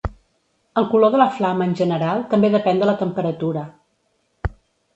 El color de la flama en general també depèn de la temperatura.